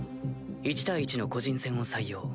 １対１の個人戦を採用。